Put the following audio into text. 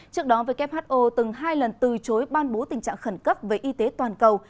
trước đó who từng hai lần từ chối ban bố tình trạng khẩn cấp về y tế toàn cầu